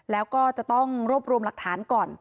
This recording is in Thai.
แล้วก็จะต้องรวบรวมหลักฐานก่อน